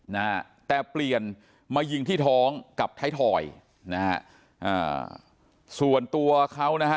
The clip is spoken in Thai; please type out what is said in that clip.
นะฮะแต่เปลี่ยนมายิงที่ท้องกับไทยทอยนะฮะอ่าส่วนตัวเขานะฮะ